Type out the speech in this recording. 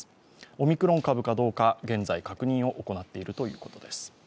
オミクロン株かどうか、現在、確認を行っているということです。